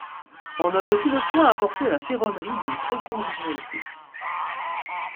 On note aussi le soin apporté à la ferronnerie d'une très grande originalité.